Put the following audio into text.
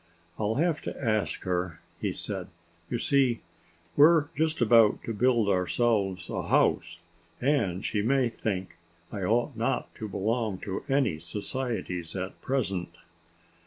"I'll have to ask her," he said. "You see, we're just about to build ourselves a house. And she may think I ought not to belong to any societies at present."